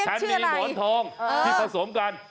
ชะนีหมอนทองที่ผสมกัน